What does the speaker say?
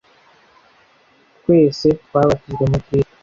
Twese twabatijwe muri Kristo